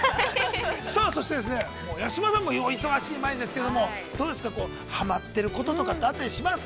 そして、八嶋さんもお忙しい毎日ですけれども、どうですか、はまってることとか、あったりします？